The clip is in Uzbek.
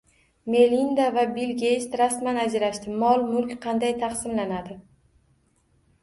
Melinda va Bill Geyts rasman ajrashdi: mol-mulk qanday taqsimlandi?